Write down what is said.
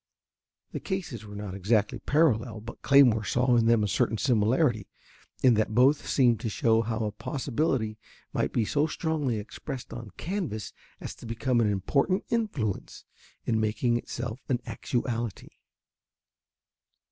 The cases were not exactly parallel, but Claymore saw in them a certain similarity, in that both seemed to show how a possibility might be so strongly expressed on canvas as to become an important influence in making itself an actuality.